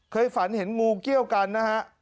ฝันเห็นงูเกี้ยวกันนะฮะ